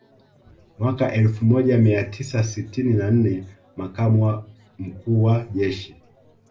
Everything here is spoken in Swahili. Mwaka elfu moja mia tisa sitini na nne Makamu wa Mkuu wa Jeshi